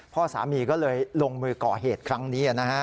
พ่อสามีก็เลยลงมือก่อเหตุครั้งนี้นะฮะ